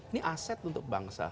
ini aset untuk bangsa